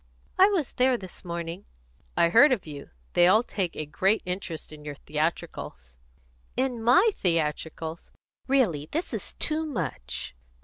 "I was there this morning " "I heard of you. They all take a great interest in your theatricals." "In my theatricals? Really this is too much!